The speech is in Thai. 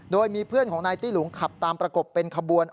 โดยมีเพื่อนของนายตี้หลุงขับตามประกบเป็นขบวน